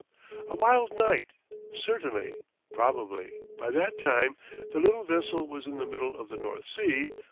A wild night, certainly; probably, by that time, the little vessel was in the middle of the North Sea